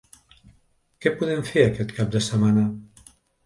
Què podem fer aquest cap de setmana?